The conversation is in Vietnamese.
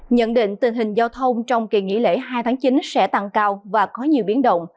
nhận định tình hình giao thông trong kỳ nghỉ lễ hai tháng chín sẽ tăng cao và có nhiều biến động